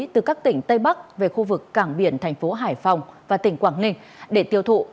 từ các tỉnh tây bắc về khu vực cảng biển thành phố hải phòng và tỉnh quảng ninh để tiêu thụ